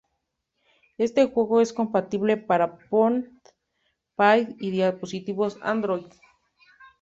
Este juego es compatible para iPhone, iPad y dispositivos Android.